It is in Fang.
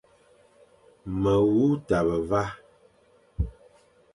Me wu tabe va,